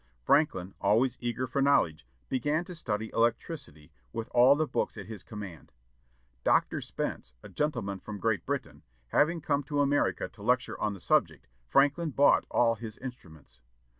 Franklin, always eager for knowledge, began to study electricity, with all the books at his command. Dr. Spence, a gentleman from Great Britain, having come to America to lecture on the subject, Franklin bought all his instruments.